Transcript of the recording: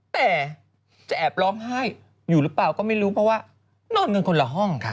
แต่จะแอบร้องไห้อยู่หรือเปล่าก็ไม่รู้เพราะว่านอนกันคนละห้อง